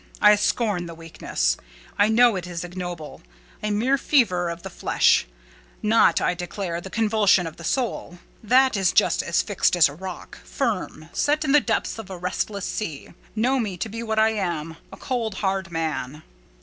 I scorn the weakness. I know it is ignoble: a mere fever of the flesh: not, I declare, the convulsion of the soul. That is just as fixed as a rock, firm set in the depths of a restless sea. Know me to be what I am—a cold hard man."